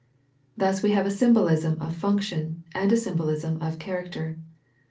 Thus we have a symbolism of function, and a symbolism of character.